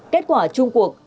kết quả chung cuộc